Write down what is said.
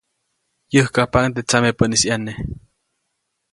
Yäjkajpaʼuŋ teʼ tsamepäʼnis ʼyane.